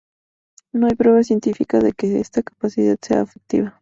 No hay prueba científica de que esta capacidad sea efectiva.